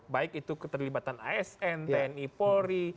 baik itu keterlibatan asn tni polri